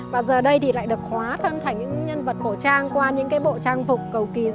và giờ đây thì lại được hóa thân thành những nhân vật khẩu trang qua những cái bộ trang phục cầu kỳ